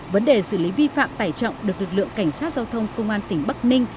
vấn đề xử lý vi phạm tải trọng được lực lượng cảnh sát giao thông công an tỉnh bắc ninh